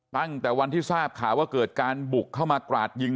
ตั้งแต่วันที่ทราบข่าวว่าเกิดการบุกเข้ามากราดยิง